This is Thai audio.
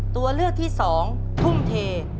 ตัวเลือกที่๒ทุ่มเท